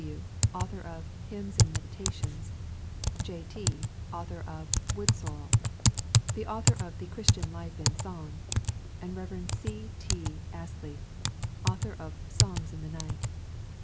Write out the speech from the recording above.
W., author of "Hymns and Meditations;" — J. T., author of Woodsorrel ;"— the author of "The Christian Life in Song ;"— and Rev. C. T. Astley, author of " Songs in the Night."